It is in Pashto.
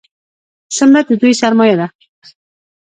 سمت د دوی سرمایه ده.